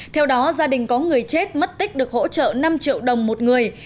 theo đó gia đình có người chết mất tích được hỗ trợ năm triệu đồng một người